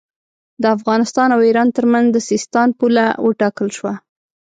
د افغانستان او ایران ترمنځ د سیستان پوله وټاکل شوه.